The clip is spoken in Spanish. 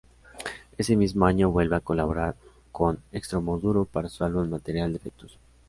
Ese mismo año vuelve a colaborar con Extremoduro para su álbum "Material defectuoso".